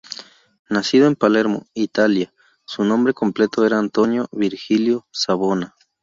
Nacido en Palermo, Italia, su nombre completo era Antonio Virgilio Savona.